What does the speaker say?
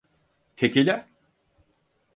Tekila?